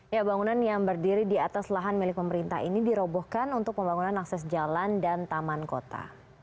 ya bangunan yang berdiri di atas lahan milik pemerintah ini dirobohkan untuk pembangunan akses jalan dan taman kota